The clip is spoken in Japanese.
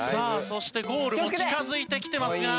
そしてゴールも近づいてきてますが。